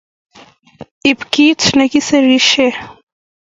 Iib kiit negisirishei